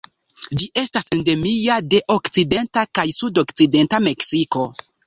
Ĝi estas endemia de okcidenta kaj sudokcidenta Meksiko.